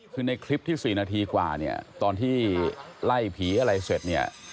คือในคลิปที่๔นาทีกว่าตอนที่ไล่ผีอะไรเสร็จ